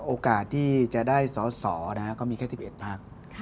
โอกาสที่จะได้สอสอก็มีแค่๑๑พัก